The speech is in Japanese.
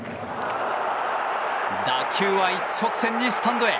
打球は一直線にスタンドへ！